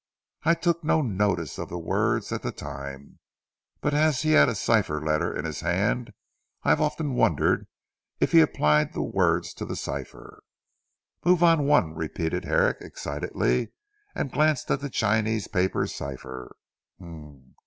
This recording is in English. I took no notice of the words at the time, but as he had a cipher letter in his hand I have often wondered if he applied the words to the cipher." "Move one on!" repeated Herrick excitedly, and glanced at the Chinese paper cipher.